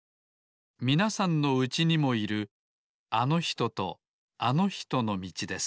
みなさんのうちにもいるあのひととあのひとのみちです